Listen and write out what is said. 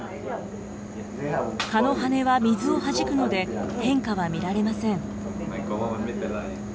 蚊の羽は水をはじくので、変化は見られません。